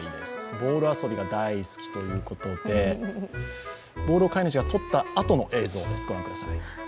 ボール遊びが大好きということで、ボールを飼い主がとったあとの映像です。